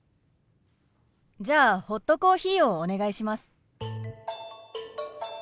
じゃあホットコーヒーをお願いします。